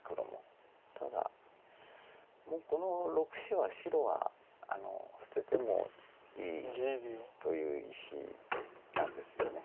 ただもうこの６子は白は捨ててもいいという石なんですよねもはや。